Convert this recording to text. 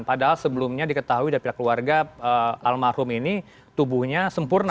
padahal sebelumnya diketahui dari pihak keluarga almarhum ini tubuhnya sempurna